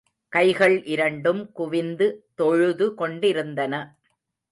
கைகள் இரண்டும் குவிந்து தொழுது கொண்டிருந்தன.